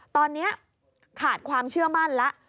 ตอนนี้ขาดความเชื่อมั่นแล้ว